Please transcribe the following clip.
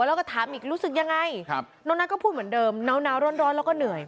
แล้วก็ถามอีกรู้สึกยังไงน้องนัทก็พูดเหมือนเดิมหนาวร้อนแล้วก็เหนื่อย